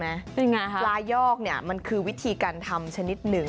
เป็นไงฮะปลายอกเนี่ยมันคือวิธีการทำชนิดหนึ่ง